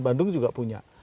bandung juga punya